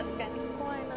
「怖いな」